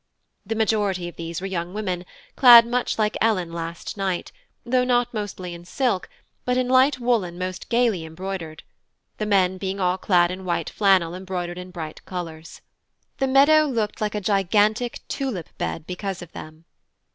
The majority of these were young women clad much like Ellen last night, though not mostly in silk, but in light woollen mostly gaily embroidered; the men being all clad in white flannel embroidered in bright colours. The meadow looked like a gigantic tulip bed because of them.